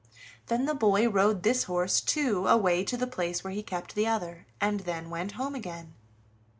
Then the boy rode this horse, too, away to the place where he kept the other, and then went home again.